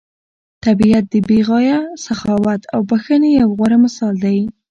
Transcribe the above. طبیعت د بې غایه سخاوت او بښنې یو غوره مثال دی.